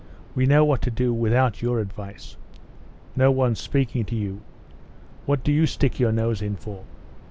We know what to do without your advice." "No one's speaking to you; what do you stick your nose in for?"